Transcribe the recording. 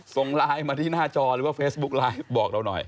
ส่งไลน์มาที่หน้าจอหรือว่าเฟซบุ๊กไลน์บอกเราหน่อย